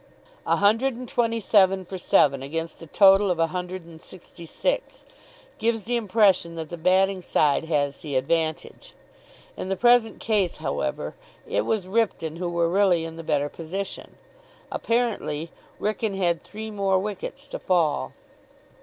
A hundred and twenty seven for seven against a total of a hundred and sixty six gives the impression that the batting side has the advantage. In the present case, however, it was Ripton who were really in the better position. Apparently, Wrykyn had three more wickets to fall.